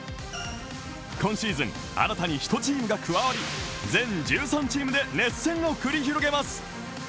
今シーズン、新たに１チームが加わり全１３チームで熱戦を繰り広げます。